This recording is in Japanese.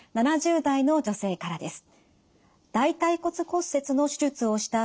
７０代の女性からです。